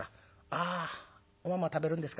「ああおまんま食べるんですか。